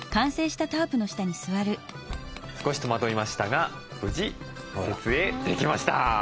少し戸惑いましたが無事設営できました。